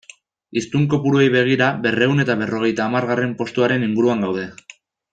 Hiztun kopuruei begira, berrehun eta berrogeita hamargarren postuaren inguruan gaude.